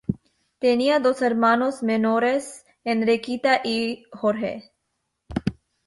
Tenía dos hermanos menores, Enriqueta y Jorge.